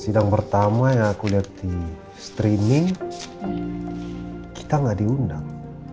sidang pertama yang aku lihat di streaming kita gak diundang